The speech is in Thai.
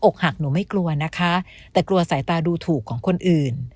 หักหนูไม่กลัวนะคะแต่กลัวสายตาดูถูกของคนอื่น